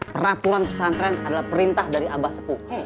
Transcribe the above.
peraturan pesantren adalah perintah dari abah sepuh